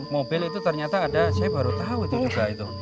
mobil itu ternyata ada saya baru tahu itu juga itu